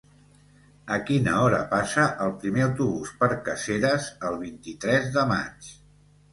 A quina hora passa el primer autobús per Caseres el vint-i-tres de maig?